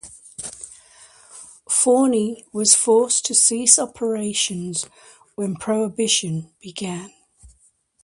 Forni was forced to cease operations when Prohibition began.